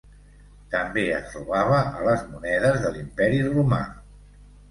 També es robava a les monedes de l'imperi romà.